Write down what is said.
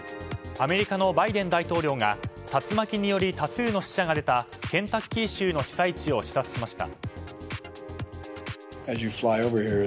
アメリカのバイデン大統領が竜巻により多数の死者が出たケンタッキー州の被災地を視察しました。